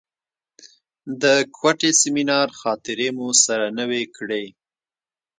د کوټې سیمینار خاطرې مو سره نوې کړې.